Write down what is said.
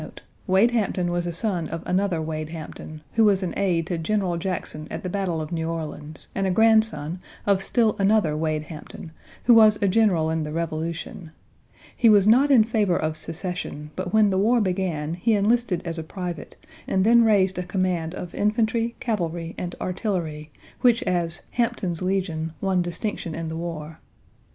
Wade Hampton was a son of another Wade Hampton, who was an aide to General Jackson at the battle of New Orleans, and a grandson of still another Wade Hampton, who was a general in the Revolution. He was not in favor of secession, but when the war began he enlisted as a private and then raised a command of infantry, cavalry, and artillery, which as "Hampton's Legion" won distinction in the war.